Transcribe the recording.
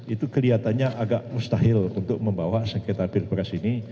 itu kelihatannya agak mustahil untuk membawa sekretar perpigras ini